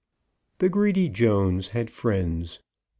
The greedy Jones had friends.